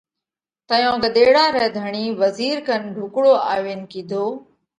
تئيون ڳۮيڙا رئہ ڌڻِي وزِير ڪنَ ڍُوڪڙو آوينَ ڪِيڌو: